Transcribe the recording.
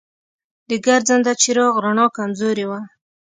د ګرځنده چراغ رڼا کمزورې وه.